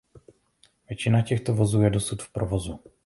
Většina těchto vozů je dosud v provozu.